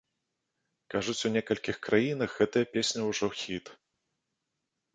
Кажуць, у некалькіх краінах гэтая песня ўжо хіт.